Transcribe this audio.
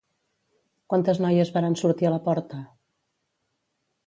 Quantes noies varen sortir a la porta?